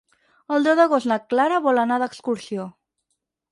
El deu d'agost na Clara vol anar d'excursió.